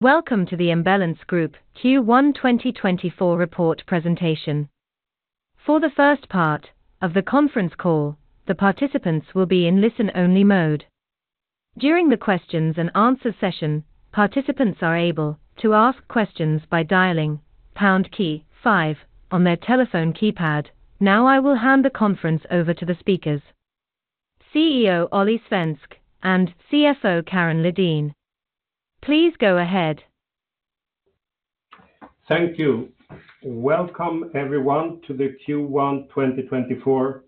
Welcome to the Embellence Group Q1 2024 report presentation. For the first part of the conference call, the participants will be in listen-only mode. During the questions and answer session, participants are able to ask questions by dialing pound key five on their telephone keypad. Now, I will hand the conference over to the speakers, CEO Olle Svensk and CFO Karin Lidén. Please go ahead. Thank you. Welcome everyone to the Q1 2024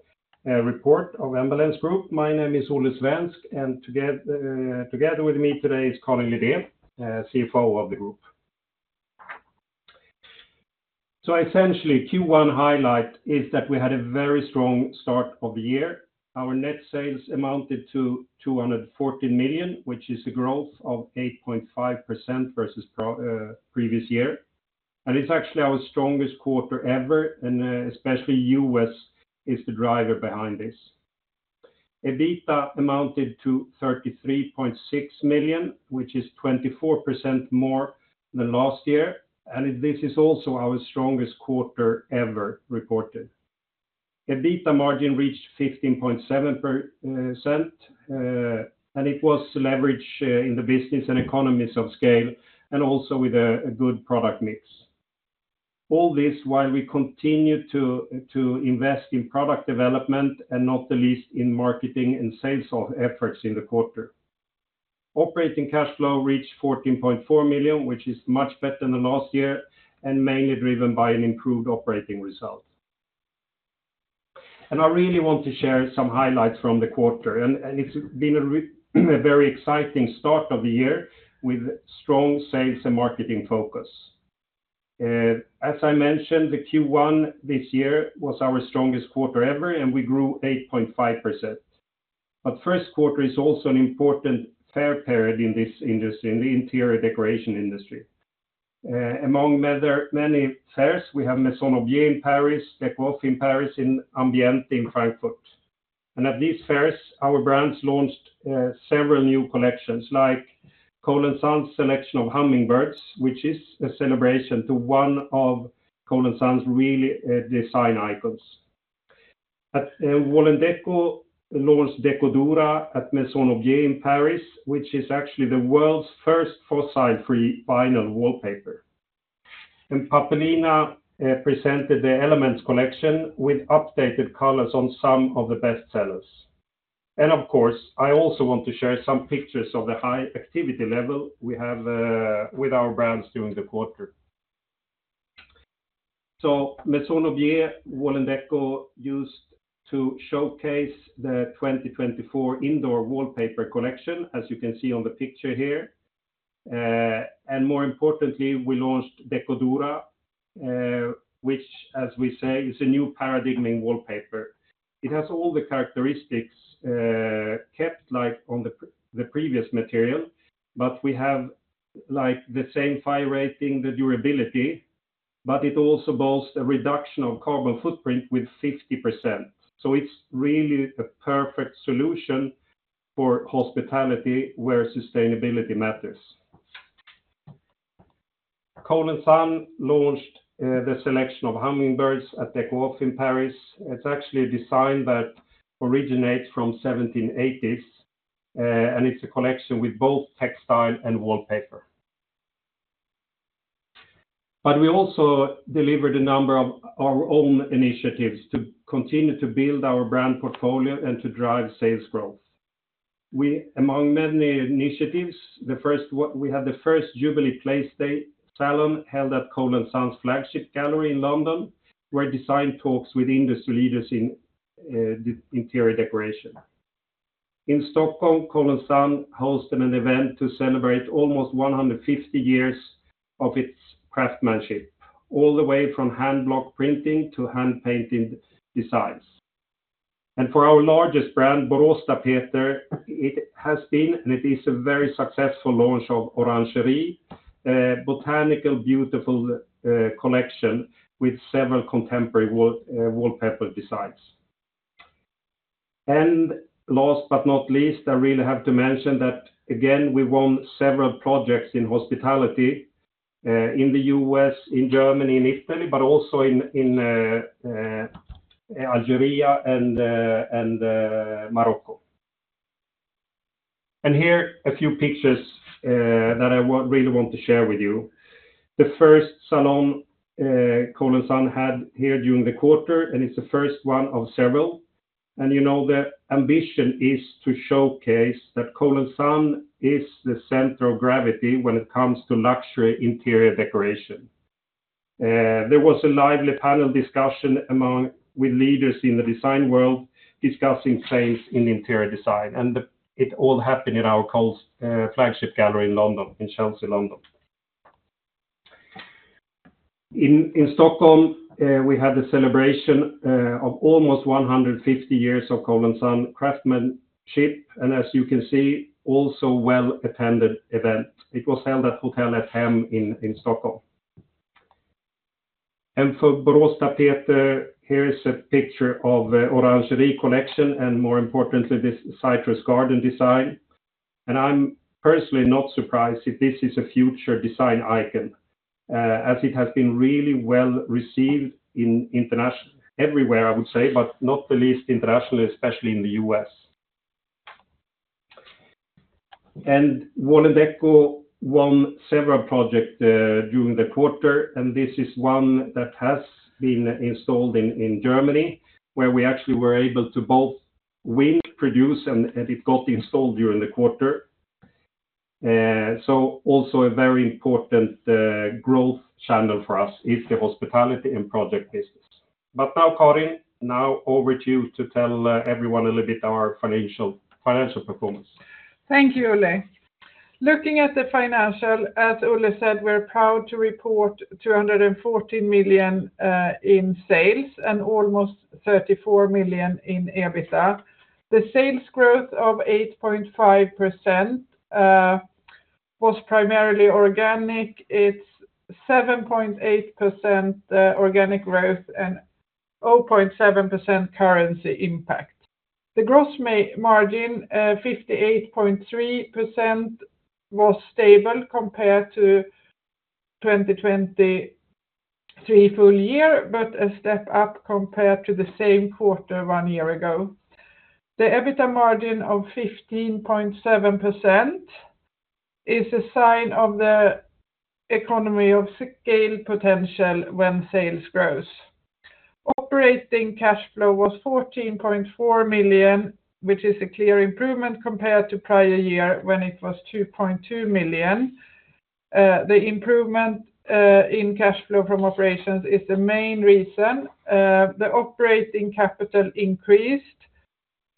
report of Embellence Group. My name is Olle Svensk, and together with me today is Karin Lidén, CFO of the group. So essentially, Q1 highlight is that we had a very strong start of the year. Our net sales amounted to 214 million, which is a growth of 8.5% versus previous year, and it's actually our strongest quarter ever, and especially U.S. is the driver behind this. EBITDA amounted to 33.6 million, which is 24% more than last year, and this is also our strongest quarter ever reported. EBITDA margin reached 15.7%, and it was leverage in the business and economies of scale, and also with a good product mix. All this while we continued to invest in product development and not the least in marketing and sales efforts in the quarter. Operating cash flow reached 14.4 million, which is much better than last year, and mainly driven by an improved operating result. I really want to share some highlights from the quarter, and it's been a very exciting start of the year with strong sales and marketing focus. As I mentioned, the Q1 this year was our strongest quarter ever, and we grew 8.5%. First quarter is also an important fair period in this industry, in the interior decoration industry. Among other many fairs, we have Maison et Objet in Paris, Déco in Paris, and Ambiente in Frankfurt. At these fairs, our brands launched several new collections, like Cole & Son's Selection of Hummingbirds, which is a celebration to one of Cole & Son's really design icons. Wall&decò launched d.ecodura at Maison et Objet in Paris, which is actually the world's first fossil-free vinyl wallpaper. And Nina presented the Elements collection with updated colors on some of the best sellers. Of course, I also want to share some pictures of the high activity level we have with our brands during the quarter. Maison et Objet, Wall&decò used to showcase the 2024 indoor wallpaper collection, as you can see on the picture here. More importantly, we launched d.ecodura, which, as we say, is a new paradigm in wallpaper. It has all the characteristics, kept like on the previous material, but we have like the same fire rating, the durability, but it also boasts a reduction of carbon footprint with 60%. So it's really a perfect solution for hospitality, where sustainability matters. Cole & Son launched the Selection of Hummingbirds at Déco in Paris. It's actually a design that originates from seventeen eighties, and it's a collection with both textile and wallpaper. But we also delivered a number of our own initiatives to continue to build our brand portfolio and to drive sales growth. We, among many initiatives, the first one, we had the first Jubilee Place State Salon, held at Cole & Son's flagship gallery in London, where design talks with industry leaders in interior decoration. In Stockholm, Cole & Son hosted an event to celebrate almost 150 years of its craftsmanship, all the way from hand block printing to hand-painted designs. And for our largest brand, Boråstapeter, it has been, and it is a very successful launch of Orangerie, a botanical beautiful, collection with several contemporary wall, wallpaper designs. And last but not least, I really have to mention that, again, we won several projects in hospitality, in the U.S., in Germany and Italy, but also in, Algeria and Morocco. And here a few pictures, that I want, really want to share with you. The first salon, Cole & Son had here during the quarter, and it's the first one of several. And you know, the ambition is to showcase that Cole & Son is the center of gravity when it comes to luxury interior decoration. There was a lively panel discussion with leaders in the design world, discussing trends in interior design, and it all happened in our Cole & Son's flagship gallery in Chelsea, London. In Stockholm, we had the celebration of almost 150 years of Cole & Son craftsmanship, and as you can see, also well-attended event. It was held at the Hotel Ett Hem Inn in Stockholm. For Boråstapeter, here is a picture of the Orangerie collection, and more importantly, this Citrus Garden design. And I'm personally not surprised if this is a future design icon, as it has been really well received internationally, everywhere, I would say, but not the least internationally, especially in the US. And Wall&decò won several projects during the quarter, and this is one that has been installed in Germany, where we actually were able to both win, produce, and it got installed during the quarter. So also a very important growth channel for us is the hospitality and project business. But now, Karin, now over to you to tell everyone a little bit about our financial performance. Thank you, Olle. Looking at the financial, as Olle said, we're proud to report 214 million in sales and almost 34 million in EBITDA. The sales growth of 8.5% was primarily organic. It's 7.8% organic growth and 0.7% currency impact. The gross margin, 58.3%, was stable compared to 2023 full year, but a step up compared to the same quarter one year ago. The EBITDA margin of 15.7% is a sign of the economy of scale potential when sales grows. Operating cash flow was 14.4 million, which is a clear improvement compared to prior year, when it was 2.2 million. The improvement in cash flow from operations is the main reason. The operating capital increased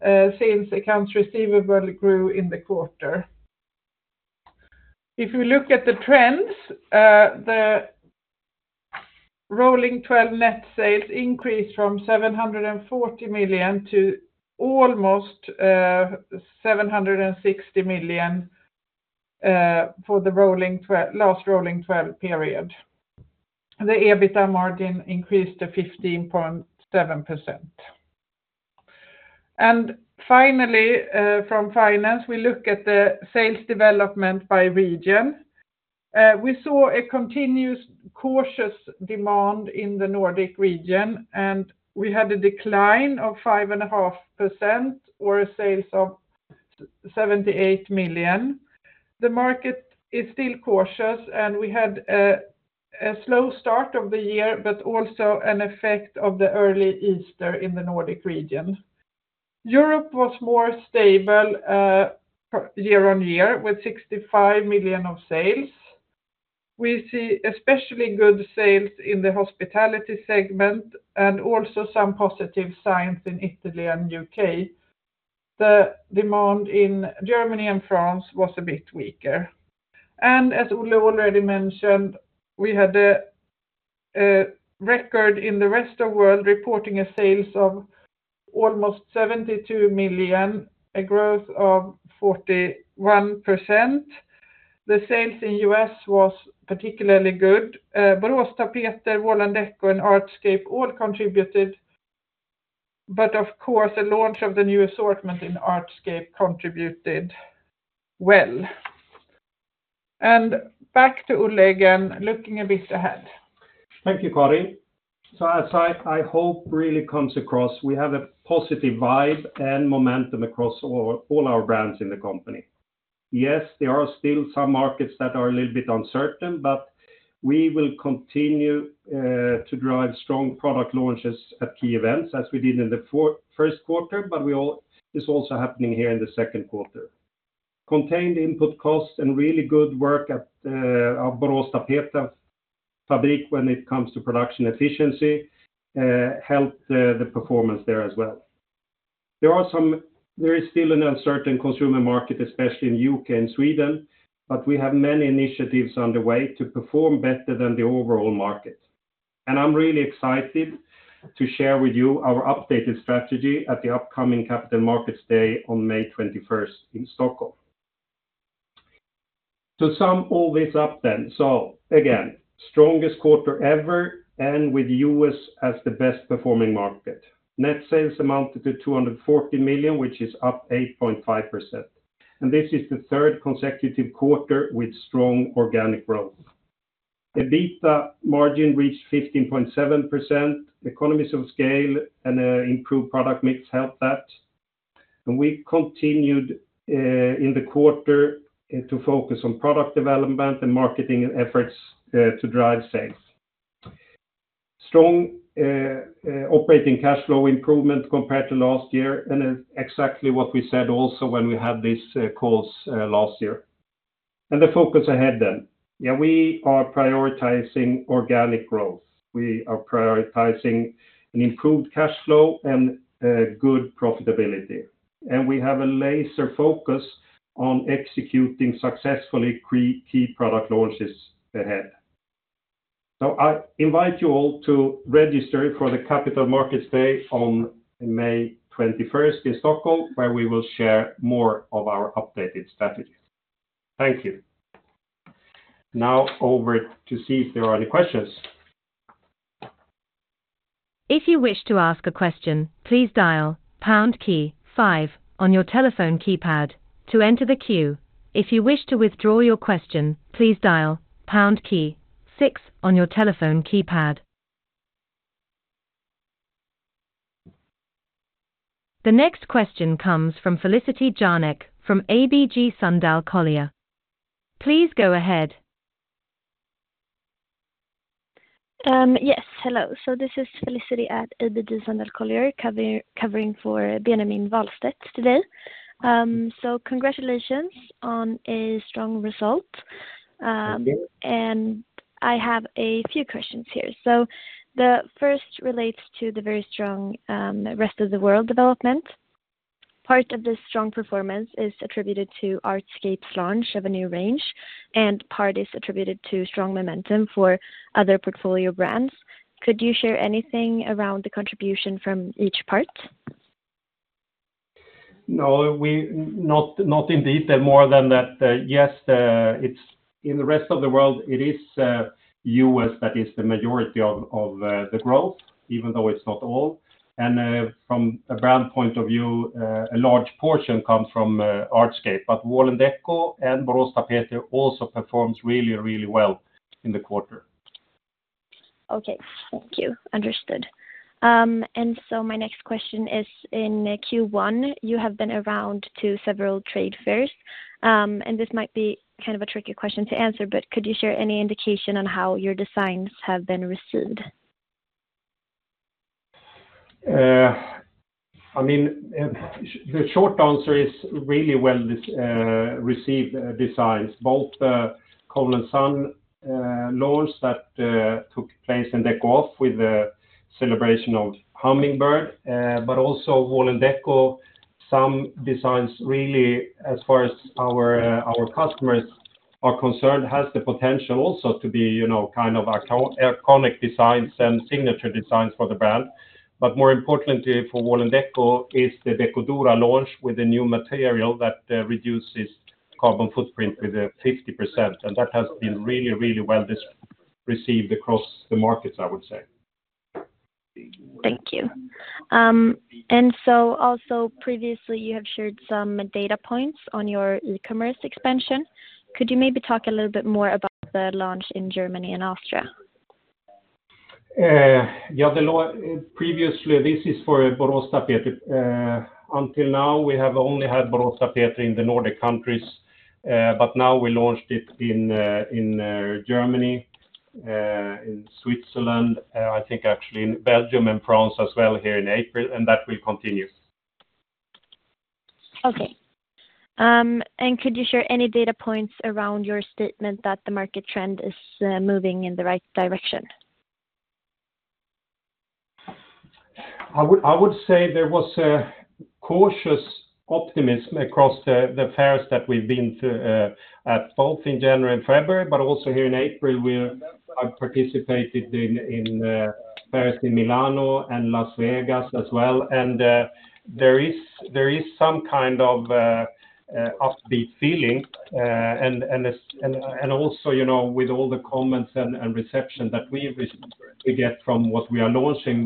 since accounts receivable grew in the quarter. If you look at the trends, the rolling twelve net sales increased from 740 million to almost 760 million for the rolling twelve, last rolling twelve period. The EBITDA margin increased to 15.7%. And finally, from finance, we look at the sales development by region. We saw a continuous cautious demand in the Nordic region, and we had a decline of 5.5% or a sales of 78 million. The market is still cautious, and we had a slow start of the year, but also an effect of the early Easter in the Nordic region. Europe was more stable year-on-year, with 65 million of sales. We see especially good sales in the hospitality segment and also some positive signs in Italy and the U.K. The demand in Germany and France was a bit weaker. And as Olle already mentioned, we had a record in the rest of world, reporting sales of almost 72 million, a growth of 41%. The sales in the U.S. was particularly good. Boråstapeter, Wall&decò, and Artscape all contributed, but of course, the launch of the new assortment in Artscape contributed well. And back to Olle again, looking a bit ahead. Thank you, Karin. So as I hope really comes across, we have a positive vibe and momentum across all our brands in the company. Yes, there are still some markets that are a little bit uncertain, but we will continue to drive strong product launches at key events, as we did in the first quarter, but all this is also happening here in the second quarter. Contained input costs and really good work at Boråstapeter fabric when it comes to production efficiency helped the performance there as well. There is still an uncertain consumer market, especially in U.K. and Sweden, but we have many initiatives on the way to perform better than the overall market. And I'm really excited to share with you our updated strategy at the upcoming Capital Markets Day on May 21st in Stockholm. To sum all this up then, so again, strongest quarter ever, and with U.S. as the best performing market. Net sales amounted to 240 million, which is up 8.5%, and this is the third consecutive quarter with strong organic growth. EBITDA margin reached 15.7%. Economies of scale and improved product mix helped that. And we continued in the quarter to focus on product development and marketing and efforts to drive sales. Strong operating cash flow improvement compared to last year and is exactly what we said also when we had this calls last year. And the focus ahead then. Yeah, we are prioritizing organic growth. We are prioritizing an improved cash flow and good profitability, and we have a laser focus on executing successfully key, key product launches ahead. I invite you all to register for the Capital Markets Day on May 21st in Stockholm, where we will share more of our updated strategies. Thank you. Now over to see if there are any questions. If you wish to ask a question, please dial pound key five on your telephone keypad to enter the queue. If you wish to withdraw your question, please dial pound key six on your telephone keypad. The next question comes from Felicity Jaarnek from ABG Sundal Collier. Please go ahead. Yes, hello. So this is Felicity at ABG Sundal Collier, covering for Benjamin Wahlstedt today. So congratulations on a strong result. I have a few questions here. The first relates to the very strong, rest of the world development. Part of the strong performance is attributed to Artscape's launch of a new range, and part is attributed to strong momentum for other portfolio brands. Could you share anything around the contribution from each part? No, we're not indeed more than that. Yes, it's in the rest of the world. It is the U.S. that is the majority of the growth, even though it's not all. From a brand point of view, a large portion comes from Artscape, but Wall&decò and Boråstapeter also performs really, really well in the quarter. Okay, thank you. Understood. My next question is, in Q1, you have been around to several trade fairs. This might be kind of a tricky question to answer, but could you share any indication on how your designs have been received? I mean, the short answer is really well received designs, both Cole & Son launch that took place in Gulf with the celebration of Hummingbirds, but also Wall&decò. Some designs, really, as far as our, our customers are concerned, has the potential also to be, you know, kind of iconic designs and signature designs for the brand. But more importantly for Wall&decò is the d.ecodura launch with a new material that reduces carbon footprint with 50%, and that has been really, really well received across the markets, I would say. Thank you. And so also previously, you have shared some data points on your e-commerce expansion. Could you maybe talk a little bit more about the launch in Germany and Austria? Yeah, previously, this is for Boråstapeter. Until now, we have only had Boråstapeter in the Nordic countries, but now we launched it in Germany, in Switzerland, I think actually in Belgium and France as well here in April, and that will continue. Okay. Could you share any data points around your statement that the market trend is moving in the right direction? I would say there was a cautious optimism across the fairs that we've been to, at both in January and February, but also here in April. I participated in fairs in Milan and Las Vegas as well. There is some kind of upbeat feeling, and also, you know, with all the comments and reception that we receive, we get from what we are launching,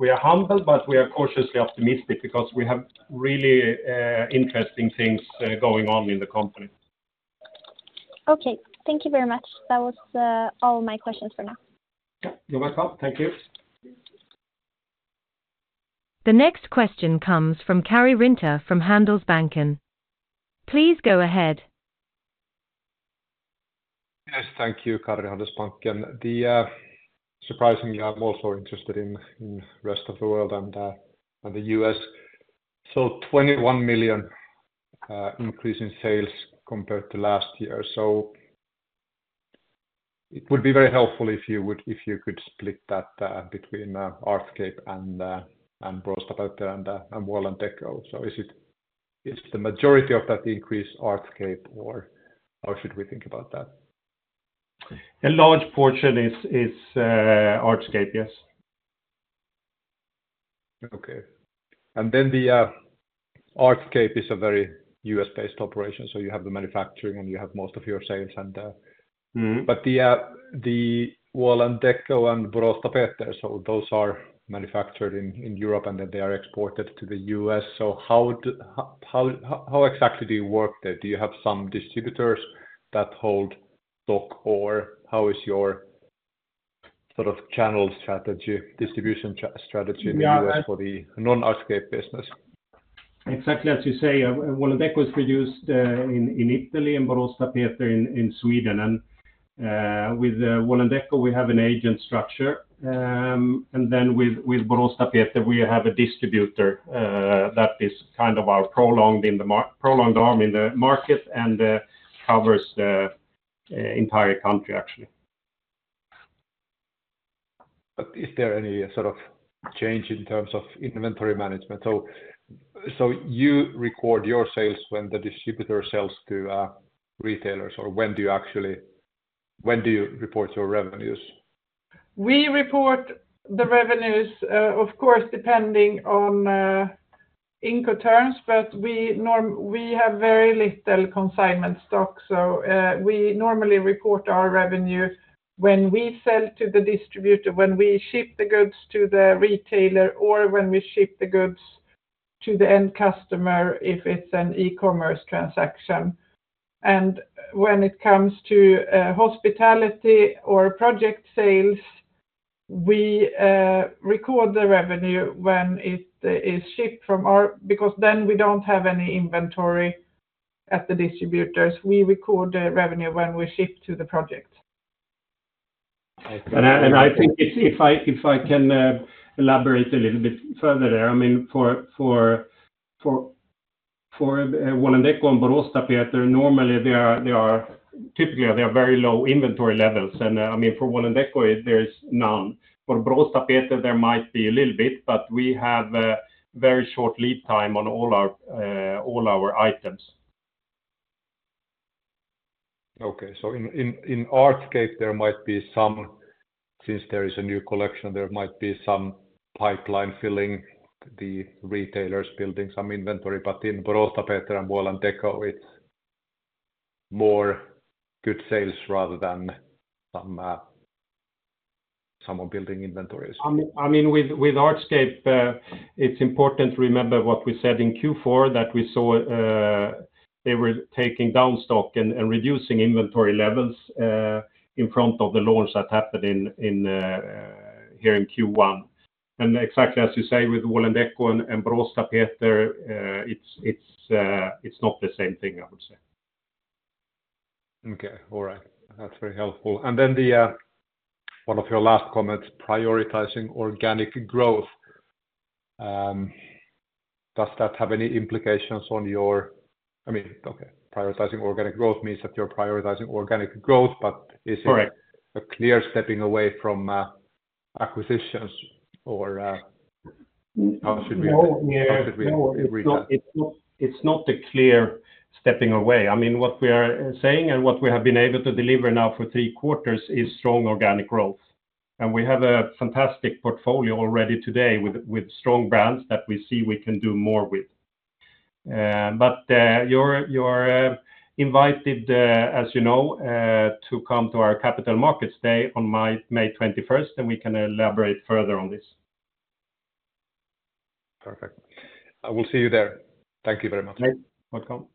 we are humble, but we are cautiously optimistic because we have really interesting things going on in the company. Okay, thank you very much. That was all my questions for now. Yeah, you're welcome. Thank you. The next question comes from Karri Rinta from Handelsbanken. Please go ahead. Yes, thank you. Karri, Handelsbanken. Surprisingly, I'm also interested in the rest of the world and the U.S. So 21 million increase in sales compared to last year. So it would be very helpful if you could split that between Artscape and Boråstapeter and Wall&decò. So is it the majority of that increase Artscape, or how should we think about that? A large portion is Artscape, yes. Okay. And then the Artscape is a very U.S.-based operation, so you have the manufacturing, and you have most of your sales and- Mm-hmm. But the Wall&decò and Boråstapeter, so those are manufactured in Europe, and then they are exported to the U.S. So how exactly do you work there? Do you have some distributors that hold stock, or how is your sort of channel strategy, distribution strategy- Yeah For the non-Artscape business? Exactly as you say, Wall&decò is produced in Italy and Boråstapeter in Sweden. With Wall&decò, we have an agent structure. And then with Boråstapeter, we have a distributor that is kind of our prolonged arm in the market and covers the entire country, actually. Is there any sort of change in terms of inventory management? So you record your sales when the distributor sells to retailers, or when do you actually, when do you report your revenues? We report the revenues, of course, depending on Incoterms, but we normally have very little consignment stock. So, we normally report our revenues when we sell to the distributor, when we ship the goods to the retailer, or when we ship the goods to the end customer, if it's an e-commerce transaction. And when it comes to hospitality or project sales, we record the revenue when it is shipped from our, because then we don't have any inventory at the distributors. We record the revenue when we ship to the project. I think if I can elaborate a little bit further there, I mean, for Wall&decò and Boråstapeter, normally there are typically very low inventory levels. I mean, for Wall&decò, there's none. For Boråstapeter, there might be a little bit, but we have a very short lead time on all our all our items. Okay. So in Artscape, there might be some, since there is a new collection, there might be some pipeline filling, the retailers building some inventory, but in Boråstapeter and Wall&decò, it's more good sales rather than some, someone building inventories. I mean, with Artscape, it's important to remember what we said in Q4, that we saw they were taking down stock and reducing inventory levels in front of the launch that happened in here in Q1. Exactly as you say, with Wall&decò and Boråstapeter, it's not the same thing, I would say. Okay. All right. That's very helpful. And then the one of your last comments, prioritizing organic growth. Does that have any implications on your-- I mean, okay, prioritizing organic growth means that you're prioritizing organic growth, but is it- Correct. a clear stepping away from acquisitions? Or, how should we- No. How should we read that? It's not, it's not a clear stepping away. I mean, what we are saying, and what we have been able to deliver now for three quarters is strong organic growth. And we have a fantastic portfolio already today with strong brands that we see we can do more with. But you're invited, as you know, to come to our Capital Markets Day on May 21st, and we can elaborate further on this. Perfect. I will see you there. Thank you very much. Welcome.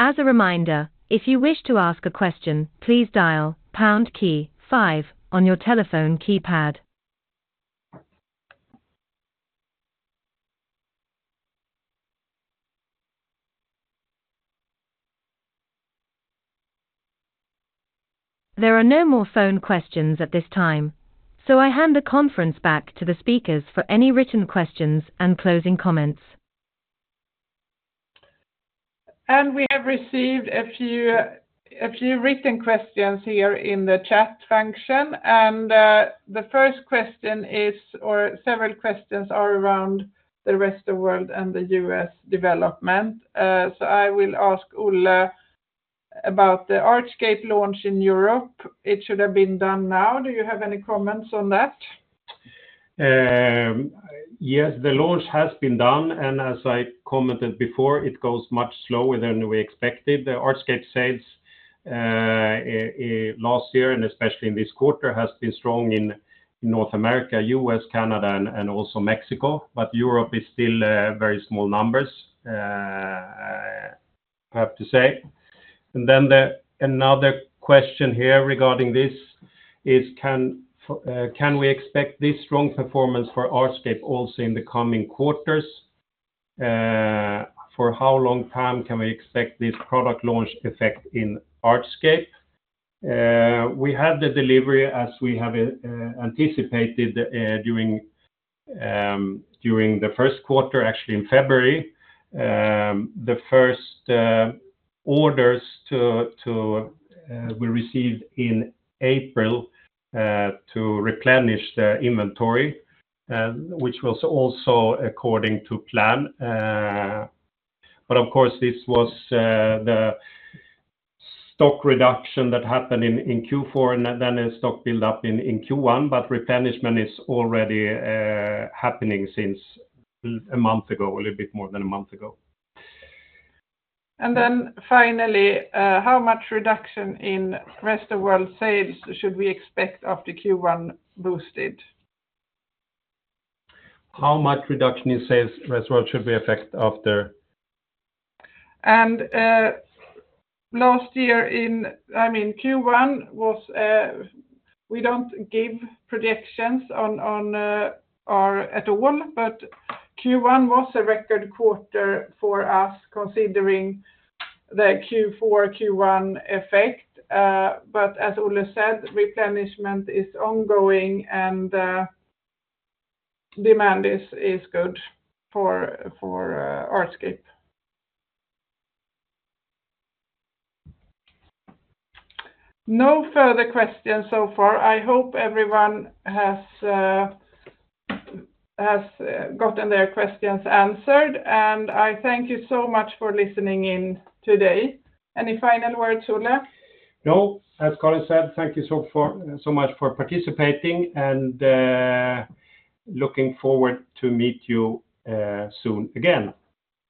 As a reminder, if you wish to ask a question, please dial pound key five on your telephone keypad. There are no more phone questions at this time, so I hand the conference back to the speakers for any written questions and closing comments. We have received a few written questions here in the chat function, and the first question is, or several questions are around the rest of world and the U.S. development. So I will ask Olle about the Artscape launch in Europe. It should have been done now. Do you have any comments on that? Yes, the launch has been done, and as I commented before, it goes much slower than we expected. The Artscape sales last year, and especially in this quarter, has been strong in North America, US, Canada, and also Mexico, but Europe is still very small numbers, I have to say. Another question here regarding this is, can we expect this strong performance for Artscape also in the coming quarters? For how long time can we expect this product launch effect in Artscape? We have the delivery as we have anticipated during the first quarter, actually in February. The first orders we received in April to replenish the inventory, which was also according to plan. But of course, this was the stock reduction that happened in Q4, and then a stock build up in Q1, but replenishment is already happening since a month ago, a little bit more than a month ago. And then finally, how much reduction in rest of world sales should we expect after Q1 boosted? How much reduction in sales rest of world should we expect after? Last year, I mean, Q1 was we don't give projections on our at all, but Q1 was a record quarter for us, considering the Q4, Q1 effect. But as Olle said, replenishment is ongoing, and demand is good for Artscape. No further questions so far. I hope everyone has gotten their questions answered, and I thank you so much for listening in today. Any final words, Olle? No. As Karin said, thank you so much for participating, and looking forward to meet you soon again.